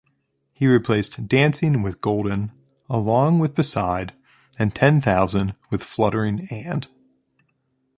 He replaced "dancing" with "golden"; "along" with "beside"; and "ten thousand" with "fluttering and".